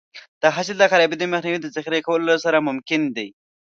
د حاصل د خرابېدو مخنیوی د ذخیره کولو سره ممکن دی.